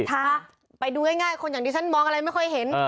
ถ้าไปดูง่ายคนอย่างที่ฉันมองอะไรไม่ค่อยเห็น